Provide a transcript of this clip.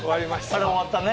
あれ終わったね。